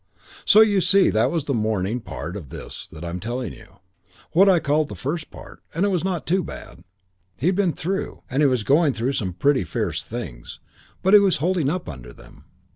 "So you see that was the morning part of this that I'm telling you, what I called the first part, and it was not too bad. He'd been through, he was going through some pretty fierce things, but he was holding up under them.